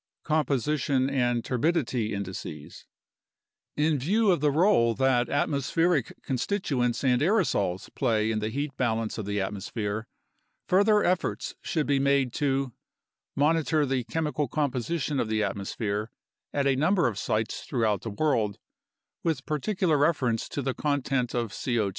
Composition and Turbidity Indices In view of the role that at mospheric constituents and aerosols play in the heat balance of the atmosphere, further efforts should be made to Monitor the chemical composition of the atmosphere at a number of sites throughout the world, with particular reference to the content of C0 2